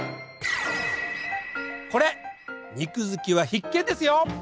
これ肉好きは必見ですよ！